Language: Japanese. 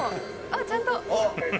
あー、ちゃんと。